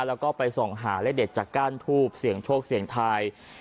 แล้วก็ไปส่องหาเลขเด็ดจากก้านทูบเสี่ยงโชคเสี่ยงทาย